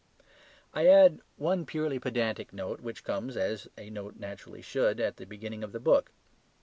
I add one purely pedantic note which comes, as a note naturally should, at the beginning of the book.